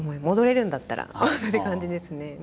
戻れるんだったらって感じですね。